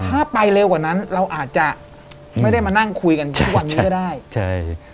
ถ้าไปเร็วกว่านั้นเราอาจจะไม่ได้มานั่งคุยกันทุกวันนี้ก็ได้ใช่